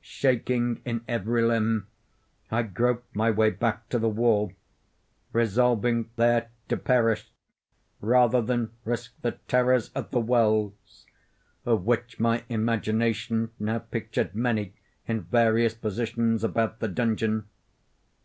Shaking in every limb, I groped my way back to the wall—resolving there to perish rather than risk the terrors of the wells, of which my imagination now pictured many in various positions about the dungeon.